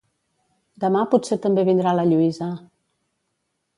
Demà potser també vindrà la Lluïsa